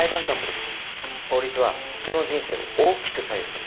法律は人の人生を大きく左右する。